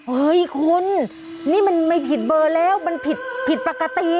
เฮ้ยคุณนี่มันไม่ผิดเบอร์แล้วมันผิดผิดปกติ